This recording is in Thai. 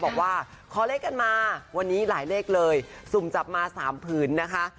บอกว่าขอเลขกันมาวันนี้หลายเลขเลยสุ่มจับมา๓ผืนนะคะ